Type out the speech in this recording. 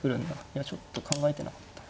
いやちょっと考えてなかった。